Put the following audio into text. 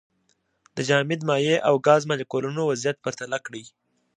د جامد، مایع او ګاز مالیکولونو وضعیت پرتله کړئ.